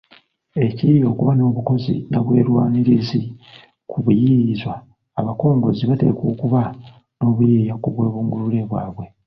Ekiyiiye okuba n’obukozi nnabwerwanirizi ku bayiiyizwa abakongozzi bateekwa okuba n’obumanyi ku bwebungulule bwabwe.